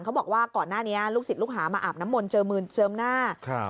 เขาบอกว่าก่อนหน้านี้ลูกสิทธิ์ลูกหามาอาบน้ำมนต์เจอมือเจิมหน้า